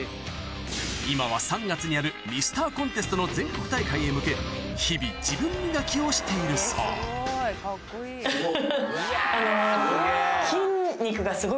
今は３月にあるミスターコンテストの全国大会へ向け日々自分磨きをしているそうすごいカッコいい。